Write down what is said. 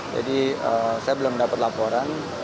jadi saya belum dapat laporan